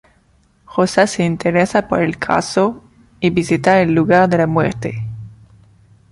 Rosa se interesa por el caso y visita el lugar de la muerte.